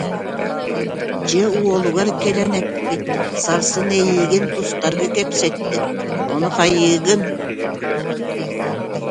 Дьэ уолугар кэлэн эппит: «Сарсын эйиигин тустарга кэпсэттим, ону хайыыгын